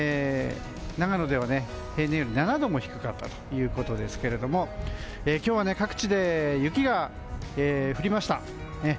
長野では平年より７度も低かったということですけども今日は各地で雪が降りました。